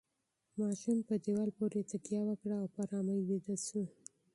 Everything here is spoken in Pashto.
ماشوم په دیوال پورې تکیه وکړه او په ارامۍ ویده شو.